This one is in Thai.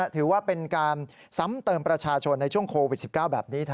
ถือว่าเป็นการซ้ำเติมประชาชนในช่วงโควิด๑๙แบบนี้